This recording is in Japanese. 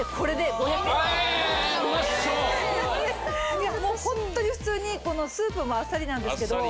いやもうホントに普通にこのスープもあっさりなんですけど。